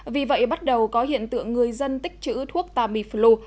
vì vậy bắt đầu có hiện tượng người dân tích chữ thuốc tamiflu